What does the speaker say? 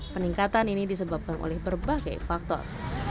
peningkatan ini disebabkan oleh berbagai faktor